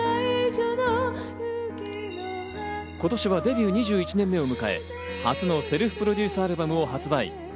今年はデビュー２１年目を迎え、初のセルフプロデュースアルバムを発売。